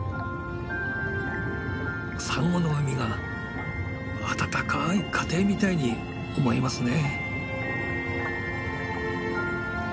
サンゴの海が温かい家庭みたいに思えますね。